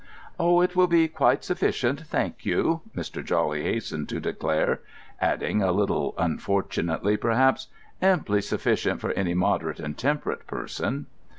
"Oh, it will be quite sufficient, thank you," Mr. Jawley hastened to declare; adding, a little unfortunately, perhaps: "Amply sufficient for any moderate and temperate person."